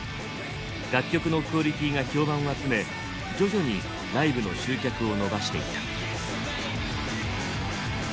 楽曲のクオリティーが評判を集め徐々にライブの集客を伸ばしていった。